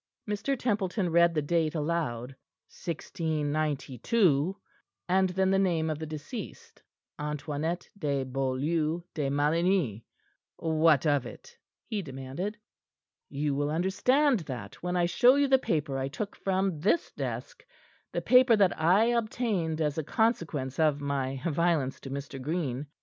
Mr. Templeton read the date aloud "1692" and then the name of the deceased "Antoinette de Beaulieu de Maligny. What of it?" he demanded. "You will understand that when I show you the paper I took from this desk, the paper that I obtained as a consequence of my violence to Mr. Green.